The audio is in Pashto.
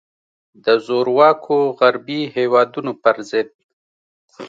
د زورواکو غربي هیوادونو پر ضد.